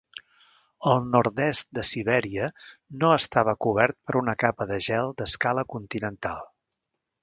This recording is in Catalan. El nord-est de Sibèria no estava cobert per una capa de gel d'escala continental.